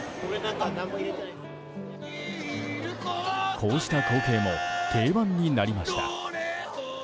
こうした光景も定番になりました。